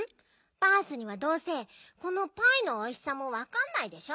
バースにはどうせこのパイのおいしさもわかんないでしょ。